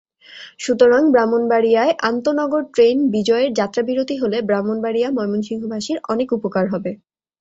সুতরাং ব্রাহ্মণবাড়িয়ায় আন্তনগর ট্রেন বিজয়ের যাত্রাবিরতি হলে ব্রাহ্মণবাড়িয়া ময়মনসিংহবাসীর অনেক উপকার হবে।